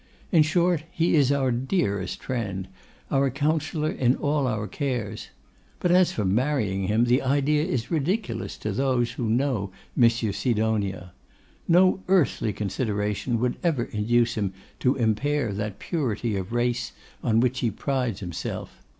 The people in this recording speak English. In short, he is our dearest friend; our counsellor in all our cares. But as for marrying him, the idea is ridiculous to those who know Monsieur Sidonia. No earthly consideration would ever induce him to impair that purity of race on which he prides himself.